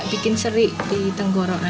tidak membuat seri di tenggorokan